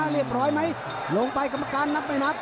เรียบร้อยไหมลงไปกรรมการนับไม่นับ